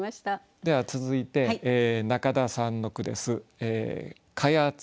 では続いて中田さんの句です。